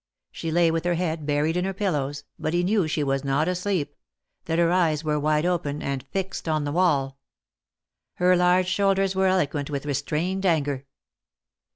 She lay with her head buried in her pillows, but he knew she was not asleep — that her eyes were wide open, and fixed on the wall. Her large shoulders were eloquent with restrained anger.